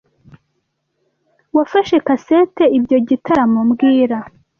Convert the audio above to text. Wafashe kaseti ibyo gitaramo mbwira